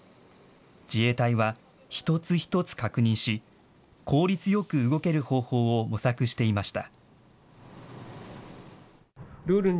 自衛隊は一つ一つ確認し、効率よく動ける方法を模索していました。